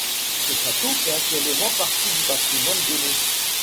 Ce château fait actuellement partie du patrimoine Gonet.